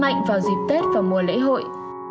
mạnh vào dịp tết và mùa lễ hội